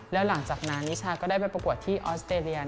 แล้วหลังจากนั้นนิชาก็ได้ไปประกวดที่ออสเตรเลีย